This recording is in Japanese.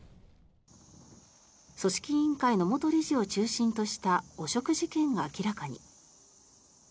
組織委員会の元理事を中心とした汚職事件が明らかに。